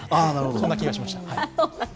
そんな気がしました。